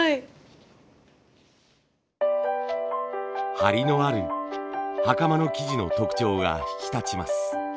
張りのある袴の生地の特徴が引き立ちます。